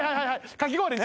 かき氷ね。